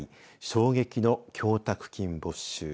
衝撃の供託金没収。